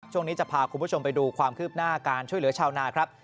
ช่วงนี้จะพาคุณผู้ชมไปดูความคืบหน้าการช่วยเหลือชาวนาครับ